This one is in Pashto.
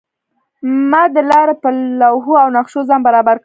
ما د لارې په لوحو او نقشو ځان برابر کړ.